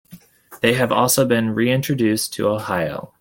They have also been reintroduced to Ohio.